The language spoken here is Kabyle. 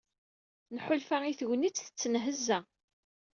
Nḥulfa i tegnit tettenhezza.